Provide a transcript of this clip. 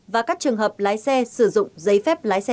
và các trường hợp lái xe sử dụng giấy phép lái xe